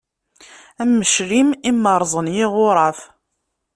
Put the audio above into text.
Am uclim i merzen yiɣuraf.